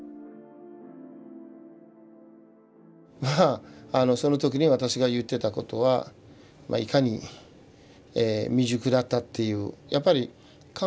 まあその時に私が言ってたことはいかに未熟だったっていう。